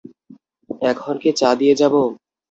এখন কি চা দিয়ে যাব?